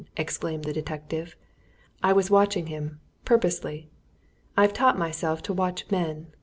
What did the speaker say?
exclaimed the detective. "I was watching him purposely. I've taught myself to watch men.